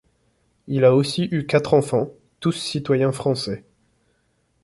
Il a aussi eu quatre enfants, tous citoyens français.